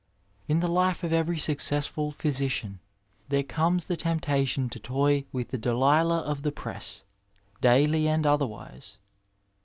In the life of every successful physician there comes the temptation to toy with the Delilah of the press — daily and otherwise.